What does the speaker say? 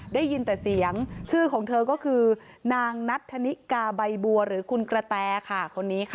ได้ยินแต่เสียงชื่อของเธอก็คือนางนัทธนิกาใบบัวหรือคุณกระแตค่ะคนนี้ค่ะ